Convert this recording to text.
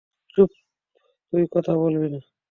চুপ, তুই কথা বলবি না?